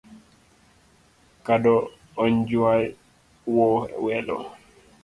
Kado onjwawo welo